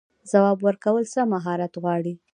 ځواب ورکول څه مهارت غواړي؟